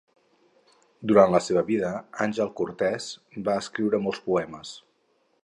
Durant la seva vida Àngel Cortès va escriure molts poemes.